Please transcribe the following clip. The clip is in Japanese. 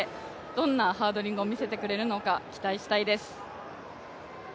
最後までどんなハードリングを見せてくれるのか期待したいです。